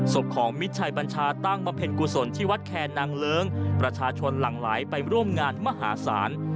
ศพของมิตรชัยบัญชาตั้งบำเพ็ญกุศลที่วัดแคนนางเลิ้งประชาชนหลั่งไหลไปร่วมงานมหาศาล